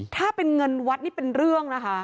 ถ้าเป็นเงินวัดนี่เป็นเรื่องนะคะ